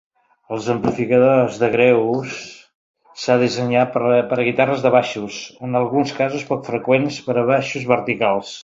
Els amplificadors de greus s"ha dissenyat per a guitarres de baixos o, en alguns casos poc freqüents, per a baixos verticals.